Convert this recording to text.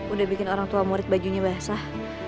udah bikin orang tua murid bajunya basah